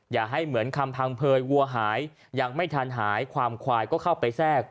อย่าให้เหมือนคำพังเผยวัวหายยังไม่ทันหายความควายก็เข้าไปแทรก